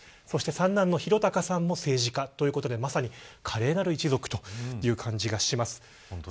そして三男の宏高さんも政治家ということでまさに華麗なる一族という感じがします。